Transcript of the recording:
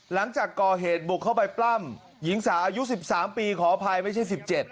หลังจากก่อเหตุบุกเข้าไปปล้ำหญิงสาวอายุ๑๓ปีขออภัยไม่ใช่๑๗